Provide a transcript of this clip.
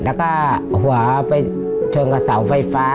แล้วก็หัวไปชนกับเสาไฟฟ้า